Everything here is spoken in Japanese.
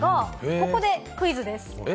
ここでクイズです。